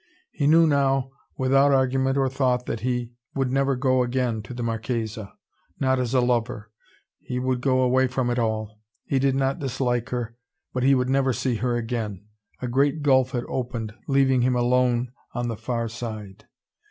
He knew now, without argument or thought that he would never go again to the Marchesa: not as a lover. He would go away from it all. He did not dislike her. But he would never see her again. A great gulf had opened, leaving him alone on the far side.